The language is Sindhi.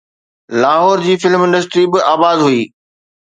لاهور جي فلم انڊسٽري به آباد هئي.